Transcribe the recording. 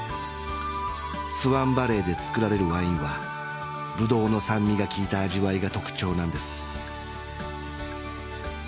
スワンバレーでつくられるワインはブドウの酸味がきいた味わいが特徴なんです